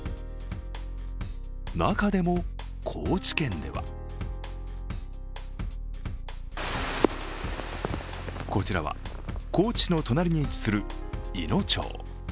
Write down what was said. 中でも、高知県ではこちらは高知市の隣に位置するいの町。